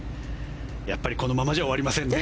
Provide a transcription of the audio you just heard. このままじゃ終わりませんね